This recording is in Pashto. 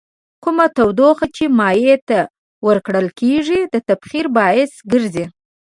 کومه تودوخه چې مایع ته ورکول کیږي د تبخیر باعث ګرځي.